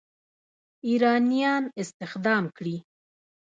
ایرانیان استخدام کړي.